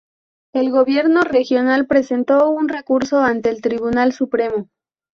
El Gobierno regional presentó un recurso ante el Tribunal Supremo.